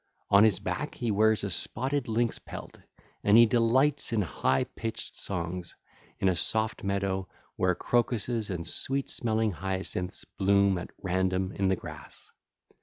On his back he wears a spotted lynx pelt, and he delights in high pitched songs in a soft meadow where crocuses and sweet smelling hyacinths bloom at random in the grass.